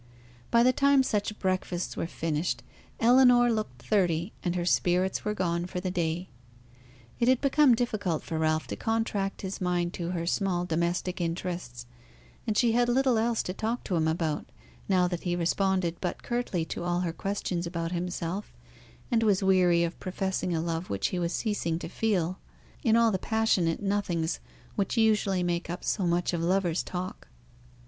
By the time such breakfasts were finished, Ellinor looked thirty, and her spirits were gone for the day. It had become difficult for Ralph to contract his mind to her small domestic interests, and she had little else to talk to him about, now that he responded but curtly to all her questions about himself, and was weary of professing a love which he was ceasing to feel, in all the passionate nothings which usually make up so much of lovers' talk.